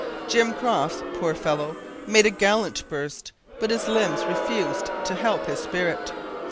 Jim Crofts, poor fellow, made a gallant burst, but his limbs refused to help his spirit.